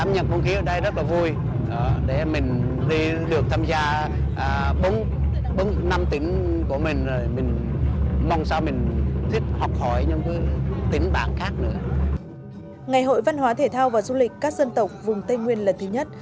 ngày hội văn hóa thể thao và du lịch các dân tộc vùng tây nguyên lần thứ nhất